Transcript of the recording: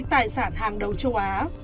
tài sản hàng đầu châu á